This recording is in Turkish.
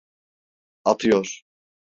Atıyor…